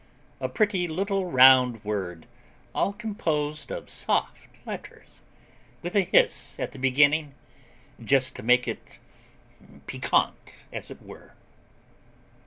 A pretty little round word, all composed of soft letters, with a hiss at the beginning, just to make it piquant, as it were.